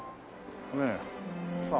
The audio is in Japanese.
ねえ。さあ。